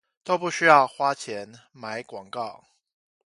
都不需要花錢買廣告